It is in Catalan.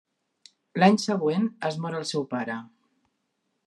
L'any següent es mor el seu pare.